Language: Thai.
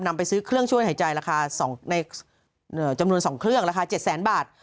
นำไปซื้อเครื่องช่วยหายใจราคาจำนวน๒เครื่องราคา๗แสนบาท